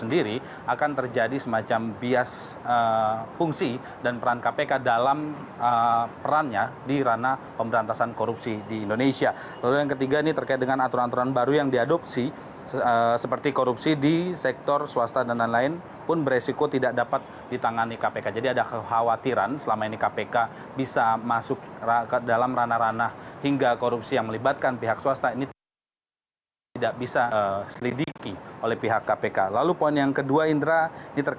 di awal rapat pimpinan rkuhp rkuhp dan rkuhp yang di dalamnya menanggung soal lgbt